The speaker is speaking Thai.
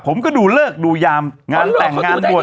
ผมก็ดูเลิกดูยามงานแต่งงานบวช